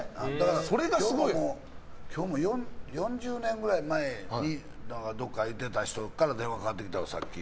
今日も４０年ぐらい前にどっか行ってた人から電話かかってきた、さっき。